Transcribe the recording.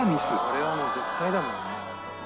「これはもう絶対だもんね」